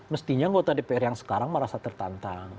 mestinya anggota dpr yang sekarang merasa tertantang